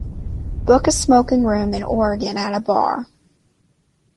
book a smoking room in Oregon at a bar